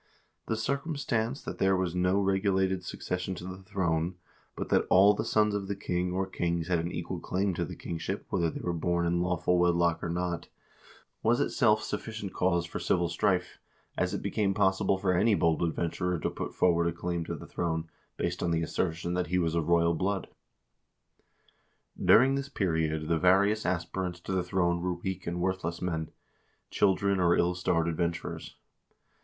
The circumstance that there was no regulated succession to the throne, but that all the sons of the king or kings had an equal claim to the kingship whether they were born in lawful wedlock or not was in 1 Saxo Grammaticus, part III., book XIII. 2 Morkinskinna, p. 196. vol. i — z 338 HISTORY OF THE NORWEGIAN PEOPLE itself sufficient cause for civil strife, as it became possible for any bold adventurer to put forward a claim to the throne, based on the assertion that he was of royal blood. During this period the various aspirants to the throne were weak and worthless men, children, or ill starred adventurers.